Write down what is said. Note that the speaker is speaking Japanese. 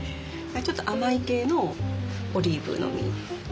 ちょっと甘い系のオリーブの実。